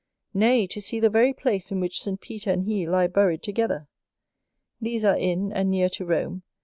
nay, to see the very place in which St. Peter and he lie buried together! These are in and near to Rome.